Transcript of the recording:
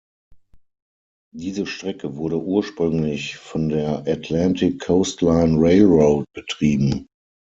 Diese Strecke wurde ursprünglich von der Atlantic Coast Line Railroad betrieben.